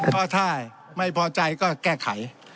ก็ได้ไม่พอใจก็แก้ไข